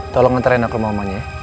tolong ntarin aku ke rumah omangnya ya